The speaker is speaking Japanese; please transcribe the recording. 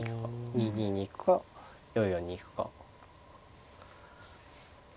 ２二に行くか４四に行くか。